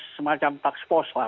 semacam task force lah